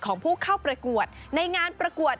ของผู้เข้าประกวดในงานประกวด